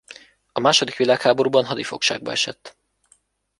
A második világháborúban hadifogságba esett.